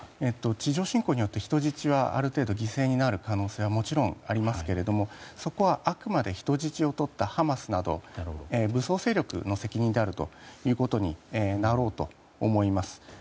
地上侵攻によって、人質はある程度犠牲になる可能性はもちろんありますけれどもそこはあくまで人質をとったハマスなど武装勢力の責任であるということになるかと思います。